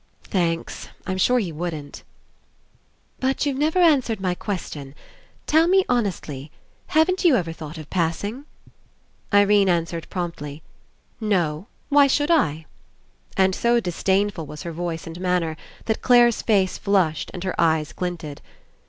"Thanks. I'm sure he wouldn't." "But you've never answered my ques tion. Tell me, honestly, haven't you ever thought of 'passing' ?" Irene answered promptly: "No. Why should I?" And so disdainful was her voice and manner that Clare's face flushed and her eyes glinted.